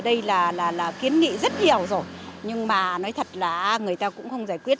đây là kiến nghị rất nhiều rồi nhưng mà nói thật là người ta cũng không giải quyết